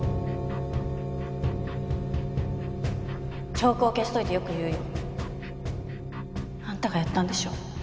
証拠を消しといてよく言うよ。あんたがやったんでしょ。